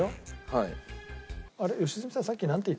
はい。